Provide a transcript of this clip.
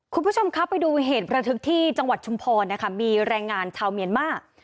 คุณผู้ชมครับไปดูเหตุระทึกที่จังหวัดชุมพรนะคะมีแรงงานชาวเมียนมาร์